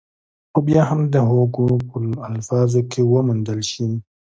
خو بيا به هم د هوګو په الفاظو کې وموندل شي.